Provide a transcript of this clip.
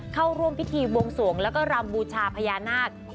เข้าร่วมพิธีบวงสวงแล้วก็รำบูชาพญานาค